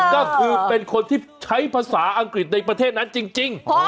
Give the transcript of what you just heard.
ก็คือเป็นคนที่ใช้ภาษาอังกฤษในประเทศนั้นจริง